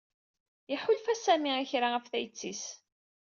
Iḥulfa Sami i kra ɣef tayet-is.